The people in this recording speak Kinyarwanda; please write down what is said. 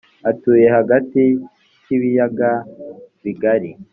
atuye hagati k’ibiyaga bigari